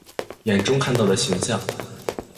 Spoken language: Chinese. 眼中看到的形象